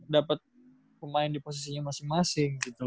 dapet pemain di posisinya masing masing